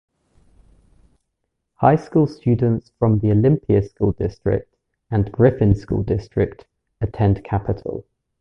High School students from the Olympia School District and Griffin School District attend Capital.